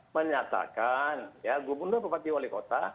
menyatakan ya gubernur bupati wali kota